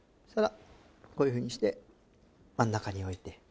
そしたらこういうふうにして真ん中に置いて。